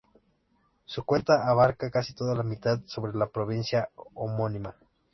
Su cuenca abarca casi toda la mitad norte de la provincia homónima.